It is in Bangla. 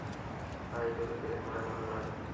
আয়, তোকে পেরেক মারা ভুল নয়।